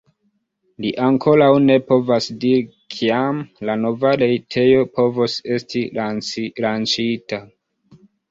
Li ankoraŭ ne povas diri, kiam la nova retejo povos esti lanĉita.